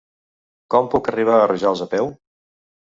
Com puc arribar a Rojals a peu?